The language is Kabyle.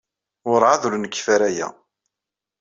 Werɛad ur nekfi ara aya.